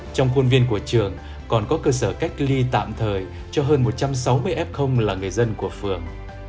trong khuôn viên của trường còn có cơ sở cách ly tạm thời cho hơn một trăm sáu mươi f là người dân của phường